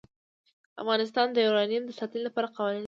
افغانستان د یورانیم د ساتنې لپاره قوانین لري.